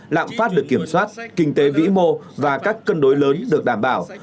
lạm phát được kiểm soát kinh tế vĩ mô và các cân đối lớn được đảm bảo